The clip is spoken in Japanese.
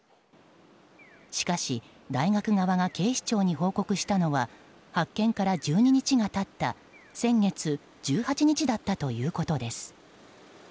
しかし大学側が警視庁に報告したのは発見から１２日が経った先月１８日だったということです。